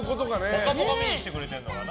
「ぽかぽか」見に来てくれてるのかな。